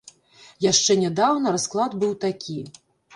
Яшчэ нядаўна расклад быў такі.